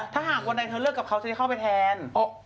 ถ้าหากวันใดเธอเลิกกับเขาจะได้เข้าไปแทน